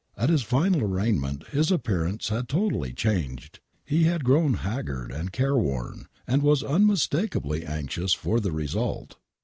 At his final arraignment his api:)earance had totally changed. He had grown Laggard and careworn, and was unmistakably anxious for the result.